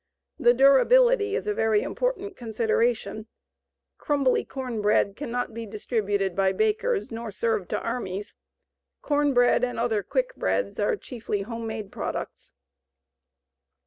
The durability is a very important consideration; crumbly corn bread cannot be distributed by bakers nor served to armies. Corn bread and the other quick breads are chiefly home made products.